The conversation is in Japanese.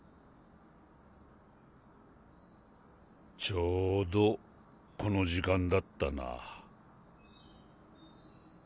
ちょうどこの時間だったな。